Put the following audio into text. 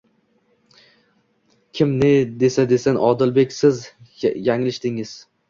— Kim ne desa-desin, Odilbek, siz yanglishdingiz.